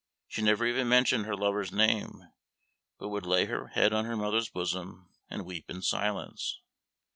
She never even mentioned her lover's name, but would lay her head on her mother's bosom and weep in silence.